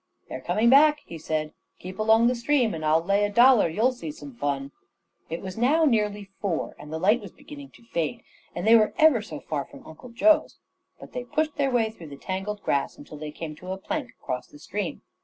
"They're coming back," he said. "Keep along the stream, and I'll lay a dollar you'll see some fun." It was now nearly four, and the light was beginning to fade, and they were ever so far from Uncle Joe's; but they pushed their way through the tangled grass until they came to a plank across the stream.